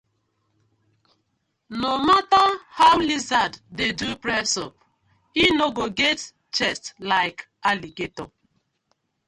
No matter how lizard dey do press up e no go get chest like alligator: